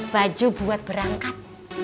baju buat berangkat